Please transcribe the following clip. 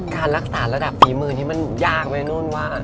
การรักษาระดับฝีมือที่มันยากไหมนู่นว่า